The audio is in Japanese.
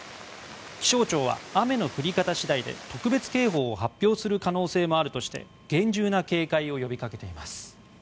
気象庁は雨の降り方次第で特別警報を発表する可能性があるとして厳重な警戒を呼び掛けています。